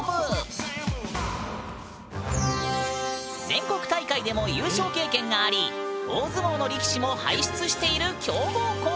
全国大会でも優勝経験があり大相撲の力士も輩出している強豪校！